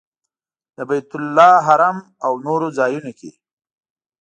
د بیت الله حرم او نورو ځایونو کې.